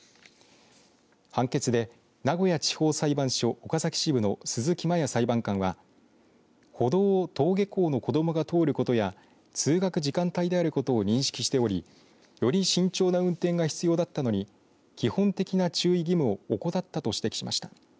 判決で名古屋地方裁判所岡崎支部の鈴木真耶裁判官は歩道を登下校の子どもが通ることや通学時間帯であることを認識しておりより慎重な運転が必要だったのに基本的な注意義務を怠ったと指摘しました。